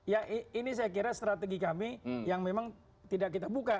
ya ini saya kira strategi kami yang memang tidak kita buka